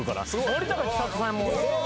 森高千里さんも。